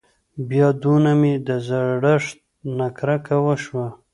بيا دونه مې د زړښت نه کرکه وشوه.